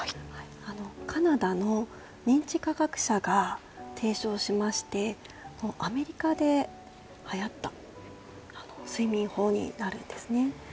カナダの認知科学者が提唱しましてアメリカではやった睡眠法になるんですね。